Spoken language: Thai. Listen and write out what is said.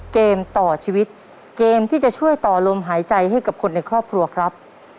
เกมต่อชีวิตเกมที่จะช่วยต่อลมหายใจให้กับคนในครอบครัวครับ